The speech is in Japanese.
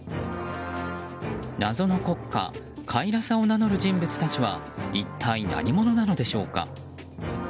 謎の国家カイラサを名乗る人物たちは一体、何者なのでしょうか。